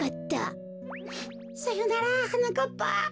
さよならはなかっぱ。